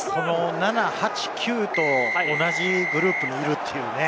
７、８、９と同じグループにいるというね。